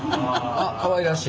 あっかわいらしい。